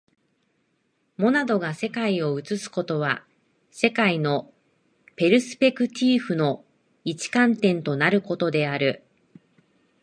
モナドが世界を映すことは、世界のペルスペクティーフの一観点となることである。